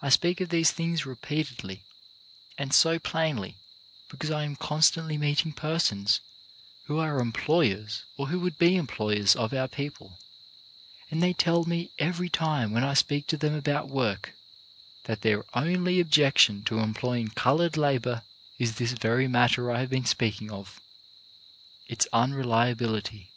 I speak of these things repeatedly and so plainly because I am constantly meeting persons who are employers or who would be employers of our people, and they tell me every time when I speak KEEPING YOUR WORD 137 to them about work, that their only objection to employing coloured labour is this very matter I have been speaking of, its unreliability.